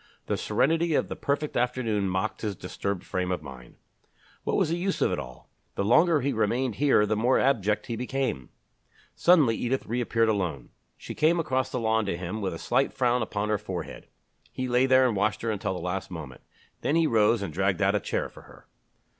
The serenity of the perfect afternoon mocked his disturbed frame of mind. What was the use of it all? The longer he remained here the more abject he became! ... Suddenly Edith reappeared alone. She came across the lawn to him with a slight frown upon her forehead. He lay there and watched her until the last moment. Then he rose and dragged out a chair for her.